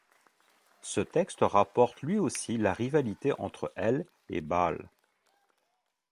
Ce texte rapporte lui aussi la rivalité entre El et Baal.